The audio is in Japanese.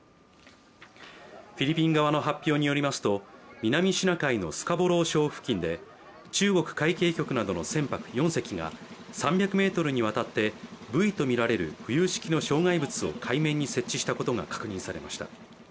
フィリピン側の発表によりますと、南シナ海のスカボロー礁付近で中国海警局などの船舶４隻が３００ｍにわたってブイとみられる浮遊式の障害物を海面に設置したことが確認されました。